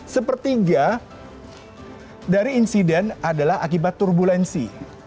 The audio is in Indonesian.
sepertiga dari insiden adalah akibat turbulensi